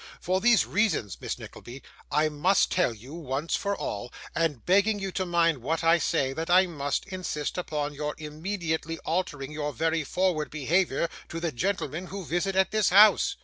For these reasons, Miss Nickleby, I must tell you once for all, and begging you to mind what I say, that I must insist upon your immediately altering your very forward behaviour to the gentlemen who visit at this house.